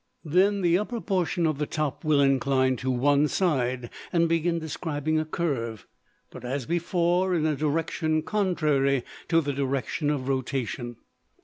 Then the upper portion of the top will incline to one side, and begin describing a curve: but, as before, in a direction contrary to the direction of rotation.